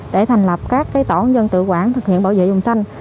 để thành lập các tổ dân tự quản thực hiện bảo vệ vùng xanh